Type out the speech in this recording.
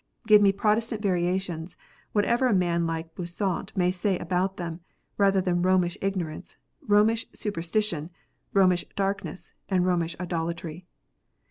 Give me Protestant variations, whatever a man like Bossuet may say about them, rather than Romish ignorance, Romish superstition, Romish darkness, and Romish idolatry.